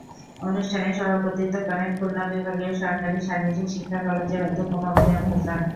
অনুষ্ঠানে সভাপতিত্ব করেন খুলনা বিভাগীয় সরকারি শারীরিক শিক্ষা কলেজের অধ্যক্ষ মোমিনুল হাসান।